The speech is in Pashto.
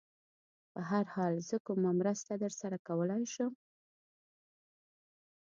په هر حال، زه کومه مرسته در سره کولای شم؟